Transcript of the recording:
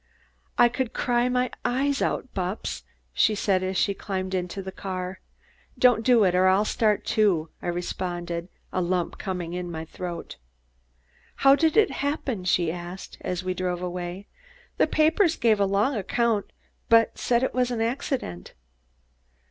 "I could cry my eyes out, Bupps," she said as she climbed into the car. "Don't do it, or I'll start, too," I responded, a lump coming in my throat. "How did it happen?" she asked, as we drove away. "The papers gave a long account, but said it was an accident."